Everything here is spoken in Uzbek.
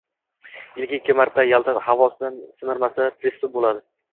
Yiliga ikki marta Yalta havosidan simirmasa «pristup» boʼladi.